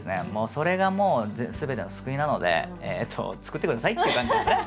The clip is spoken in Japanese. それがもうすべての救いなので作ってくださいっていう感じですね。